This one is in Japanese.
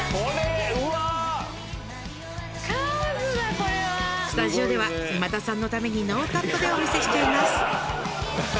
これはスタジオでは今田さんのためにノーカットでお見せしちゃいます